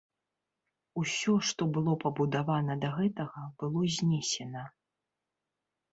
Усё, што было пабудавана да гэтага, было знесена.